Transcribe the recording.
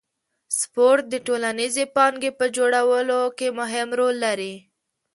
سپورت د ټولنیزې پانګې په جوړولو کې مهم رول لري.